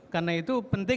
karena itu penting